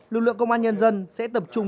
lực lượng công an nhân dân sẽ tập trung